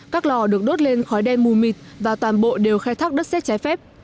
các lò được đốt lên khói đen mù mịt và toàn bộ đều khai thác đất xét trái phép